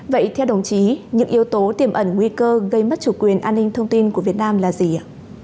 vậy theo đồng chí những yếu tố tiềm ẩn nguy cơ gây mất chủ quyền an ninh thông tin của việt nam là gì ạ